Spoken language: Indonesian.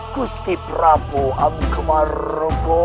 kusti prabu amkemar